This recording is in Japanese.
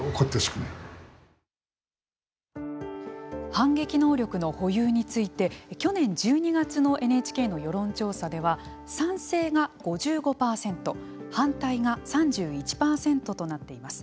反撃能力の保有について去年１２月のＮＨＫの世論調査では賛成が５５％反対が３１％となっています。